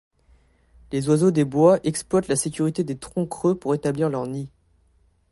Les oiseaux des bois exploitent la sécurité des troncs creux pour établir leur nid.